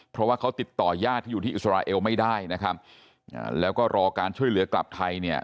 เพราะว่าเขาติดต่อยาดที่อยู่ที่อิสราเอลไม่ได้นะครับแล้วก็รอการช่วยเหลือกลับไทยเนี่ย